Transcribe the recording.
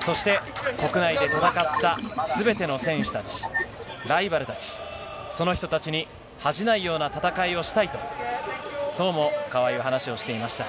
そして国内で戦ったすべての選手たち、ライバルたち、その人たちに恥じないような戦いをしたいと、そうも川井は話をしていました。